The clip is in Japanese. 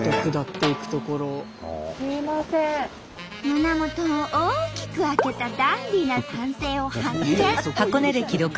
胸元を大きく開けたダンディーな男性を発見！